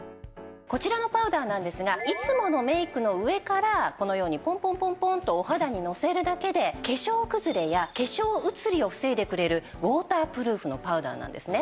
こちらのパウダーなんですがいつものメイクの上からこのようにポンポンポンポンとお肌にのせるだけで化粧くずれや化粧移りを防いでくれるウォータープルーフのパウダーなんですね。